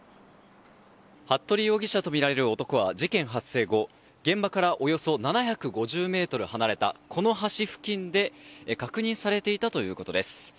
服部容疑者とみられる男は事件発生後現場からおよそ７５０ｍ離れたこの橋付近で確認されていたということです。